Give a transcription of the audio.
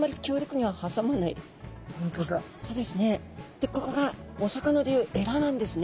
でここがお魚で言うエラなんですね。